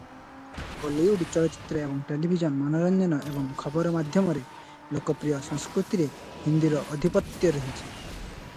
ବଲିଉଡ ଚଳଚ୍ଚିତ୍ର ଏବଂ ଟେଲିଭିଜନ ମନୋରଞ୍ଜନ ଏବଂ ଖବର ମାଧ୍ୟମରେ ଲୋକପ୍ରିୟ ସଂସ୍କୃତିରେ ହିନ୍ଦୀର ଆଧିପତ୍ୟ ରହିଛି ।